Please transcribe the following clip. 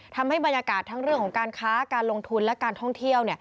ทำให้บรรยากาศทั้งเรื่องของการค้าการลงทุนและการท่องเที่ยว